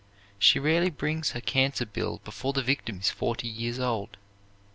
She rarely brings in her cancer bill before the victim is forty years old.